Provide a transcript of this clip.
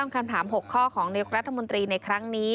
คำถาม๖ข้อของนายกรัฐมนตรีในครั้งนี้